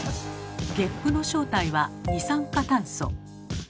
ゲップの正体は二酸化炭素。